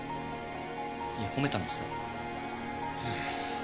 いや褒めたんですよ。